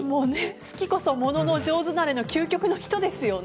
好きこそものの上手なれの究極の人ですよね。